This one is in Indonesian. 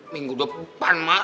minggu depan emak